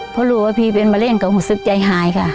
เพราะรู้ว่าพี่เป็นมะเร็งก็รู้สึกใจหายค่ะ